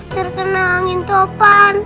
terkena angin topan